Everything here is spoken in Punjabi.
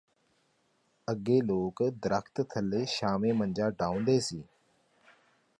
ਅੱਗੇ ਲੋਕ ਦੱਰਖੱਤ ਥੱਲੇ ਛਾਵੇਂ ਮੰਜਾ ਡਾਹੁਦੇ ਸੀ